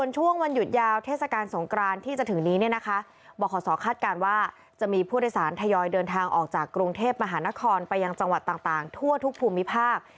จากกรุงเทพฯมหานครไปยังจังหวัดต่างทั่วทุกภูมิภาค